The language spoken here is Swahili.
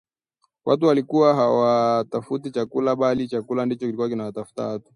Watu walikuwa hawatafuti chakula, bali chakula ndicho kilikuwa kinatafuta watu